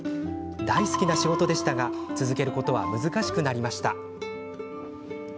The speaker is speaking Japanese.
大好きな仕事でしたが続けることは難しくなりました。